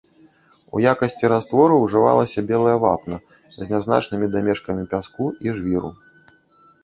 У якасці раствору ўжывалася белая вапна з нязначнымі дамешкамі пяску і жвіру.